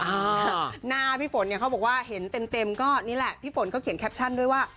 ฉันเขาก็เขียนแช่งครัวเข้าให้แบบ